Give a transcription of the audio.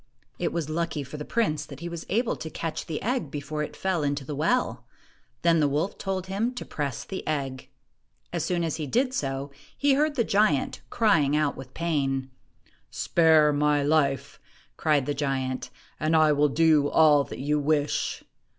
It was lucky for the prince that he was able to catch the egg before it fell into the well. Then the wolf told him to press the egg. As soon as he did so, he heard the giant crying out with pain. "Spare my life," cried the giant, "and I will do all that you wish